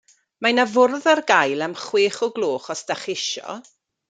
Mae 'na fwrdd ar gael am chwech o' gloch os dach chi isio.